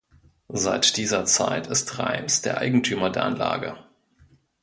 Seit dieser Zeit ist Reims der Eigentümer der Anlage.